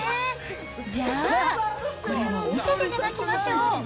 じゃあ、これも見せていただきましょう。